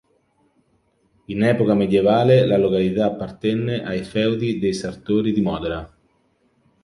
In epoca medievale la località appartenne ai feudi dei Sartori di Modena.